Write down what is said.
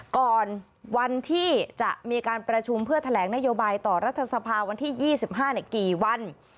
ก่อนวันที่จะมีการประชุมเพื่อแถลงนโยบายต่อรัฐสภาวันที่๒๕กี่วัน